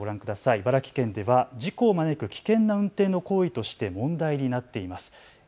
茨城県では事故を招く危険な運転の行為として問題になっています。